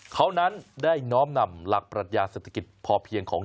เขานั้นได้น้อมนำหลักปรัชญาเศรษฐกิจพอเพียงของ